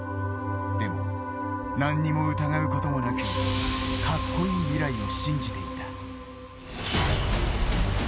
でも、何も疑うこともなく格好いい未来を信じていた。